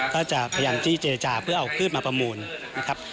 ก็จะพยายามจี้เจรจาเพื่อเอาพืชมาประมูลนะครับ